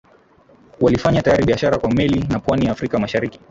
walifanya tayari biashara kwa meli na pwani ya Afrika Mashariki